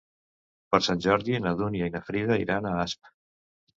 Per Sant Jordi na Dúnia i na Frida iran a Asp.